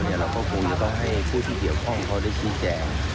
เราก็คงจะต้องให้ผู้ที่เกี่ยวข้องเขาได้ชี้แจง